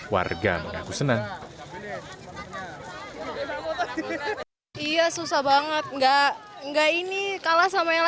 warga mengaku senang